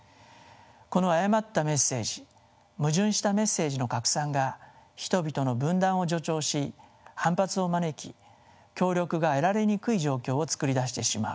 この誤ったメッセージ矛盾したメッセージの拡散が人々の分断を助長し反発を招き協力が得られにくい状況を作り出してしまう。